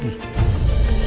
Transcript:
bisa didapat lagi